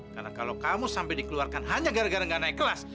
karena kalau kamu sampai dikeluarkan hanya gara gara gak naik kelas